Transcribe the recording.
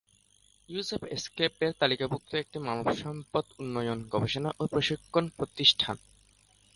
ইউসেপ এসক্যাপের তালিকাভুক্ত একটি মানবসম্পদ উন্নয়ন, গবেষণা ও প্রশিক্ষণ প্রতিষ্ঠান।